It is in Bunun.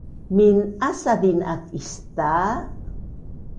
Min’asazin aak istaa